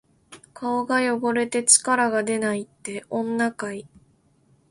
顔が汚れて力がでないって、女かい！